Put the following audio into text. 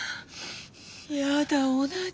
やだ同じ。